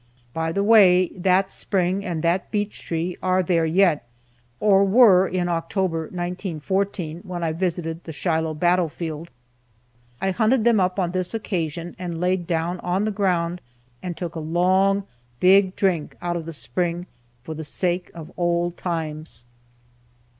By the way, that spring and that beech tree are there yet, or were in October, 1914, when I visited the Shiloh battlefield. I hunted them up on this occasion and laid down on the ground and took a long, big drink out of the spring for the sake of old times.